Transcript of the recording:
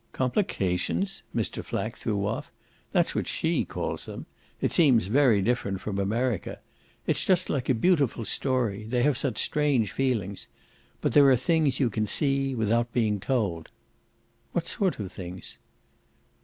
"Complications?" Mr. Flack threw off. "That's what she calls them. It seems very different from America. It's just like a beautiful story they have such strange feelings. But there are things you can see without being told." "What sort of things?"